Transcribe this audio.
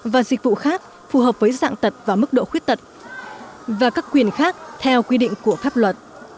và dịch vụ khác phù hợp với dạng tật và mức độ khuyết tật và các quyền khác theo quy định của pháp luật